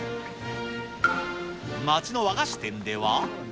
町の和菓子店では。